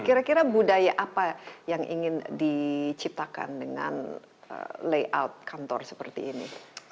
kira kira budaya apa yang ingin diciptakan dengan layout kantor seperti ini